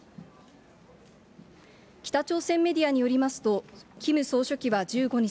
北朝鮮メディアによりますと、キム総書記は１５日、